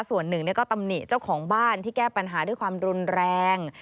ส่วนหนึ่งก็ตำหนิเจ้าของบ้านที่แก้ปัญหาด้วยความรุนแรง